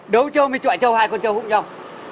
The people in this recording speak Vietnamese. đấu châu mới chọi châu hai con châu hụm nhau